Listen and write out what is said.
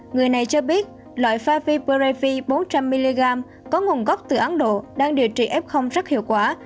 người này cho biết loại năm v previv bốn trăm linh mg có nguồn gốc từ ấn độ đang điều trị f rất hiệu quả